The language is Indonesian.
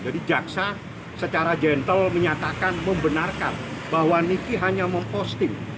jaksa secara gentle menyatakan membenarkan bahwa niki hanya memposting